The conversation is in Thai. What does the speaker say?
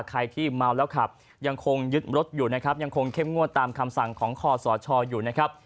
ใครที่เมาแล้วขับยังคงยึดรถอยู่นะครับยังคงเข้มงวดตามคำสั่งของคอสชอยู่นะครับ